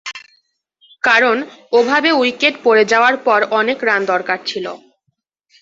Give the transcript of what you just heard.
কারণ, ওভাবে উইকেট পড়ে যাওয়ার পর অনেক রান দরকার ছিল।